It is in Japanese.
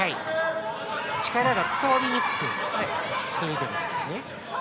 力を伝わりにくくしているんですね。